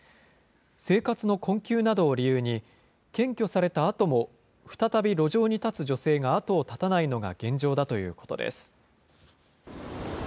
生活の困窮などを理由に、検挙されたあとも再び路上に立つ女性が後を絶たないのが現状だということです。